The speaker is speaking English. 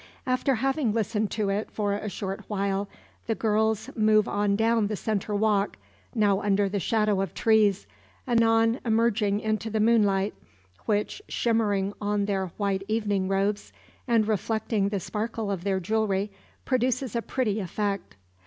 After having listened to it for a short while, the girls move on down the centre walk, now under the shadow of trees, anon emerging into the moonlight; which shimmering on their white evening robes, and reflecting the sparkle of their jewellery, produces a pretty effect.